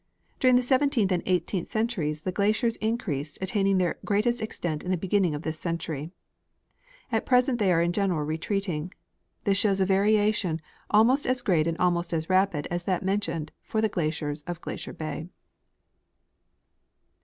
During the seventeenth and eighteenth centuries the glaciers increased, attaining their greatest extent in the beginning'of this century.* At present they are in general retreating. This shows a variation almost as great and almost as rapid as that mentioned for the glaciers of Glacier bay.